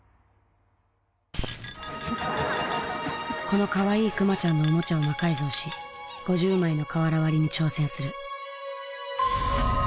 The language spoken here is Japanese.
このかわいいクマちゃんのおもちゃを魔改造し５０枚の瓦割りに挑戦する。